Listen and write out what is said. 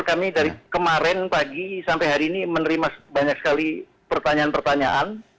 kami dari kemarin pagi sampai hari ini menerima banyak sekali pertanyaan pertanyaan